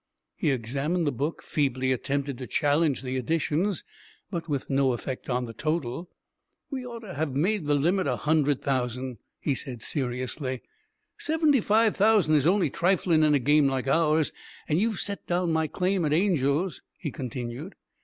He examined the book, feebly attempted to challenge the additions, but with no effect on the total. "We oughter hev made the limit a hundred thousand," he said seriously; "seventy five thousand is only triflin' in a game like ours. And you've set down my claim at Angel's?" he continued.